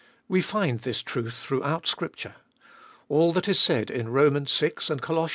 We find this truth throughout Scripture. All that is said in Rom. vi. and Col. iii.